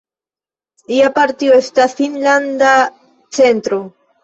Lia partio estas Finnlanda Centro.